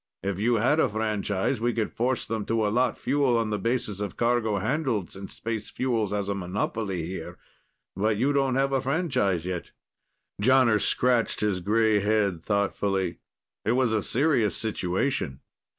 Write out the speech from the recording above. If you had a franchise, we could force them to allot fuel on the basis of cargo handled, since Space Fuels has a monopoly here. But you don't have a franchise yet." Jonner scratched his grey head thoughtfully. It was a serious situation.